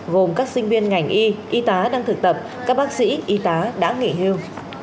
gồm các sinh viên ngành y y tá đang thực tập các bác sĩ y tá đã nghỉ hưu